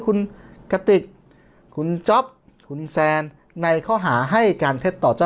คุณกติกคุณจ๊อปคุณแซนในข้อหาให้การเท็จต่อเจ้า